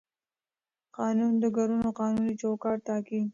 قانون د کړنو قانوني چوکاټ ټاکي.